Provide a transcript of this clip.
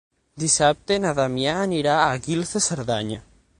Dissabte na Damià anirà a Guils de Cerdanya.